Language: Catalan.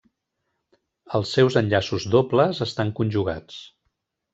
Els seus enllaços dobles estan conjugats.